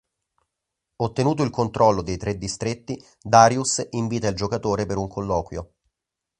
Ottenuto il controllo dei tre distretti, Darius invita il giocatore per un colloquio.